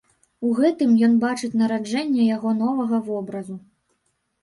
У гэтым ён бачыць нараджэнне яго новага вобразу.